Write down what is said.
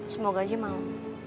semoga aja mau